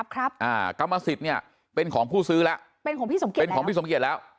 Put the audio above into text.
กรรมสิทธิ์เนี่ยเป็นของผู้ซื้อแล้วเป็นของพี่สมเกียจเป็นของพี่สมเกียจแล้ว